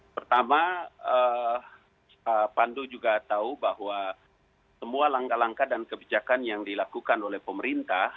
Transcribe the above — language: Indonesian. pertama pandu juga tahu bahwa semua langkah langkah dan kebijakan yang dilakukan oleh pemerintah